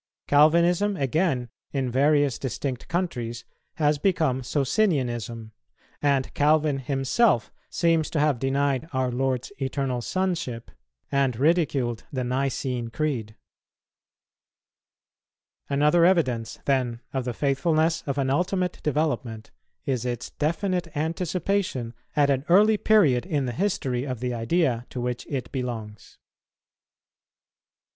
Calvinism, again, in various distinct countries, has become Socinianism, and Calvin himself seems to have denied our Lord's Eternal Sonship and ridiculed the Nicene Creed. Another evidence, then, of the faithfulness of an ultimate development is its definite anticipation at an early period in the history of the idea to which it belongs.